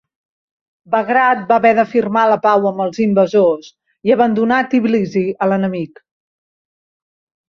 Bagrat va haver de firmar la pau amb els invasors i abandonar Tbilisi a l'enemic.